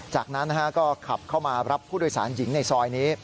จากนั้นก็ขับเข้ามารับผู้โดยสารหญิงในซอยนี้